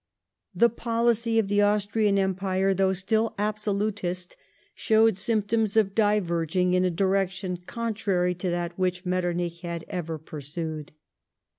The policy of the Austrian Empire, though still absolutist, showed symptoms of diverging in a direction contrary to that which Metternich had ever pursued.